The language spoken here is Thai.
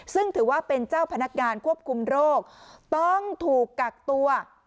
ซึ่งถือว่าเป็นเจ้าพนักงานควบคุมโรคต้องถูกกักตัว